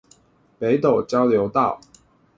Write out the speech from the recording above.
北斗交流道